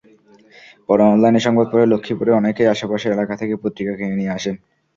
পরে অনলাইনে সংবাদ পড়ে লক্ষ্মীপুরের অনেকেই আশেপাশের এলাকা থেকে পত্রিকা কিনে নিয়ে আসেন।